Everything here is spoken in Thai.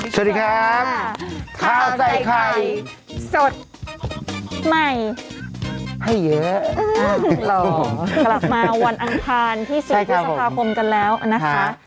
สวัสดีครับข้าวใส่ไข่สดใหม่ให้เยอะหรอกลับมาวันอังคารที่๑๐พฤษภาคมกันแล้วนะคะ